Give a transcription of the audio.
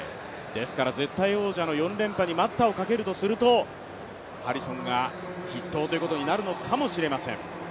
ですから絶対王者の４連覇に待ったをかけるとするとハリソンが筆頭ということになるのかもしれません。